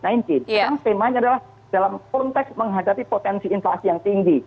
sekarang temanya adalah dalam konteks menghadapi potensi inflasi yang tinggi